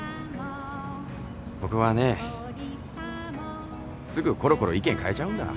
僕はねすぐコロコロ意見変えちゃうんだ。